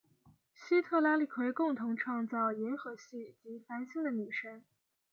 西特拉利奎共同创造银河系及繁星的女神。